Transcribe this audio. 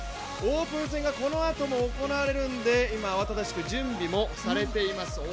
オープン戦がこのあとも行われるので今、慌ただしく準備もされています。